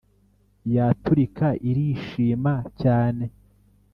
yaturika irishima cyane